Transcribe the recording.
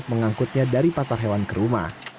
mengangkutnya dari pasar hewan ke rumah